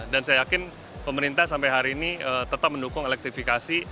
dan saya yakin pemerintah sampai hari ini tetap mendukung elektrifikasi